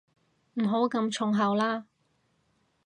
唔好咁重口啦